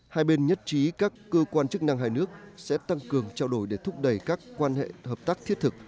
hai bên nhất trí các cơ quan chức năng hai nước sẽ tăng cường trao đổi để thúc đẩy các quan hệ hợp tác thiết thực